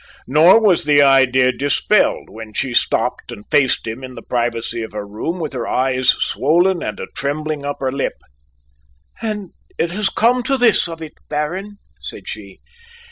Nor was the idea dispelled when she stopped and faced him in the privacy of her room with her eyes swollen and a trembling under lip. "And it has come to this of it, Baron?" said she.